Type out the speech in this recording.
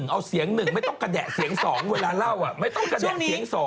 เอาเสียง๑ไม่ต้องกระแดะเสียง๒เวลาเล่าไม่ต้องกระแดะเสียง๒